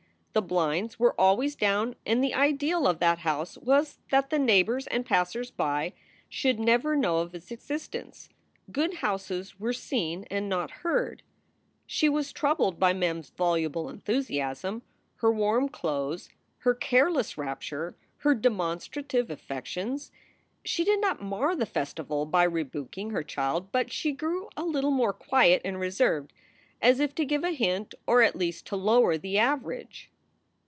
The blinds were always down and the ideal of that house was that the neighbors and passers by should never know of its existence. Good houses were seen and not heard. SOULS FOR SALE 203 She was troubled by Mem s voluble enthusiasm, her warm clothes, her careless rapture, her demonstrative affec tions. She did not mar the festival by rebuking her child, but she grew a little more quiet and reserved, as if to give a hint, or at least to lower the average.